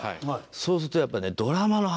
そうするとやっぱね。